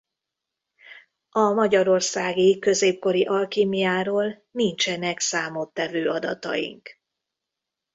A magyarországi középkori alkímiáról nincsenek számottevő adataink.